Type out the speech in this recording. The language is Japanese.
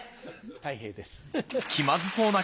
たい平です。